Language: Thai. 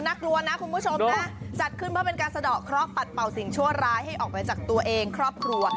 น่ากลัวนะคุณผู้ชมนะจัดขึ้นเพื่อเป็นการสะดอกเคราะหัดเป่าสิ่งชั่วร้ายให้ออกไปจากตัวเองครอบครัว